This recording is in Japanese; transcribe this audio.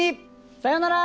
さようなら！